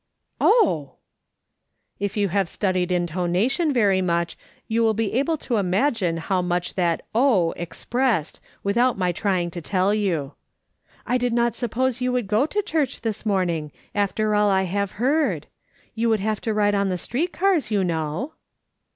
" Oh !" If you have studied intonation very much, you will be able to imagine how much that " oh" expressed, without my trying to tell you. " I did not suppose you would go to church this morning, after all 1 have heard. You would have to ride on the street cars, you know."